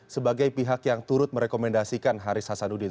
sebagai pihak yang turut merekomendasikan haris hasanuddin